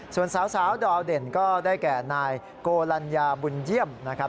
ส่วนสาวดาวเด่นก็ได้แก่นายโกลัญญาบุญเยี่ยมนะครับ